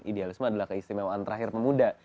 idealisme adalah keistimewaan terakhir pemuda